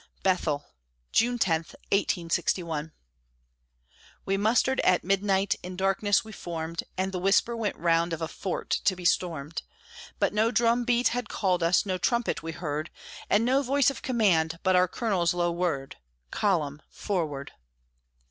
BETHEL [June 10, 1861] We mustered at midnight, in darkness we formed, And the whisper went round of a fort to be stormed; But no drum beat had called us, no trumpet we heard, And no voice of command, but our colonel's low word "Column! Forward!"